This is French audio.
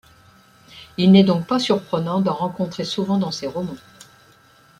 Il n'est donc pas surprenant d'en rencontrer souvent dans ses romans.